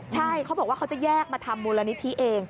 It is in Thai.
ใช่เขาบอกว่าเขาจะแยกมาทำมูลนิธิเอง